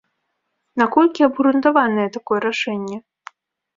Наколькі абгрунтаванае такое рашэнне?